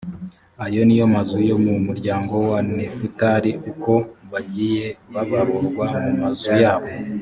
ayo ni yo mazu yo mu muryango wa nefutali uko bagiye babarurwa mu mazu yabo.